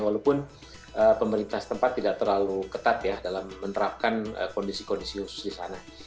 walaupun pemerintah setempat tidak terlalu ketat ya dalam menerapkan kondisi kondisi khusus di sana